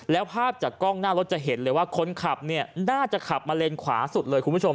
แล้วภาพจากกล้องหน้ารถจะเห็นเลยว่าคนขับเนี่ยน่าจะขับมาเลนขวาสุดเลยคุณผู้ชม